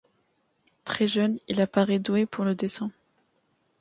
Très jeune, il apparaît doué pour le dessin.